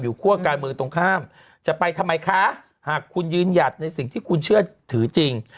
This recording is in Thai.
คั่วการเมืองตรงข้ามจะไปทำไมคะหากคุณยืนหยัดในสิ่งที่คุณเชื่อถือจริง